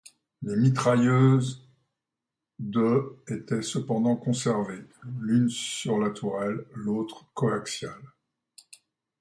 Les mitrailleuses de étaient cependant conservées, l'une sur la tourelle, l'autre coaxiale.